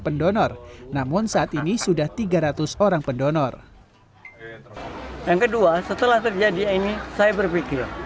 pendonor namun saat ini sudah tiga ratus orang pendonor yang kedua setelah terjadi ini saya berpikir